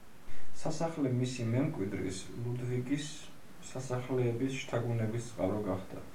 სასახლე მისი მემკვიდრის, ლუდვიგის სასახლეების შთაგონების წყარო გახდა.